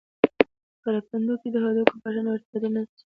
کرپندوکي د هډوکو په شان یو ارتباطي نسج دي.